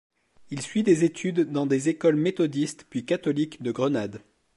Il suit des études dans des écoles méthodistes puis catholiques de Grenade.